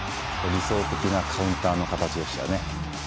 理想的なカウンターの形でしたね。